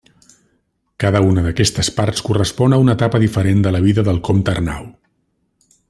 Cada una d'aquestes parts correspon a una etapa diferent de la vida del Comte Arnau.